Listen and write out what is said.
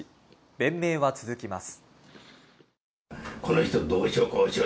弁明は続きます。